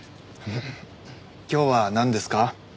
今日はなんですか？